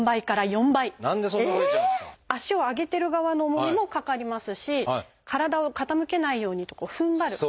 足を上げてる側の重みもかかりますし体を傾けないようにとこうふんばる。